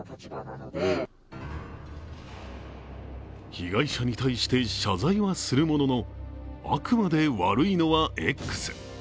被害者に対して謝罪はするものの、あくまで悪いのはＸ。